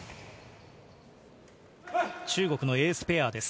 中国のエースペアです。